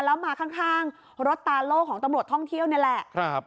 แล้วมาข้างรถตาโล่ของตำรวจท่องเที่ยวนี่แหละ